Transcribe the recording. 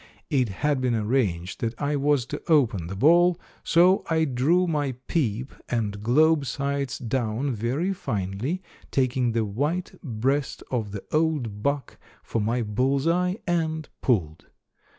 It had been arranged that I was to open the ball, so I drew my peep and globe sights down very finely, taking the white breast of the old buck for my bull's eye, and pulled.